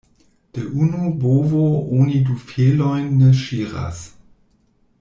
De unu bovo oni du felojn ne ŝiras.